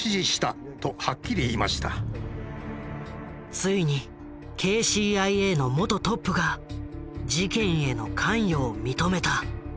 ついにＫＣＩＡの元トップが事件への関与を認めた！